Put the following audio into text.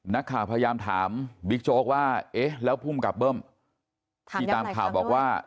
นักข่าวพยายามถามบิ๊กโจ๊กว่าเอ๊ะแล้วภูมิกับเบิ้มที่ตามข่าวบอกว่า